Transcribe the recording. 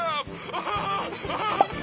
アハハハ！